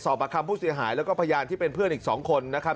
ประคัมผู้เสียหายแล้วก็พยานที่เป็นเพื่อนอีก๒คนนะครับ